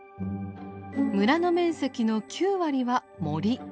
村の面積の９割は森。